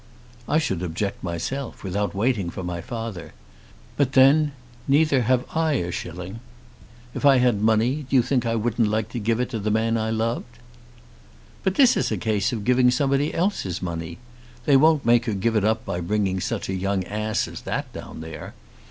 "I should object myself, without waiting for my father. But then, neither have I a shilling. If I had money, do you think I wouldn't like to give it to the man I loved?" "But this is a case of giving somebody else's money. They won't make her give it up by bringing such a young ass as that down here.